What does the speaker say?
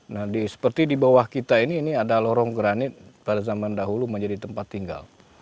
nah seperti di bawah kita ini ada lorong granit pada zaman dahulu menjadi tempat tinggal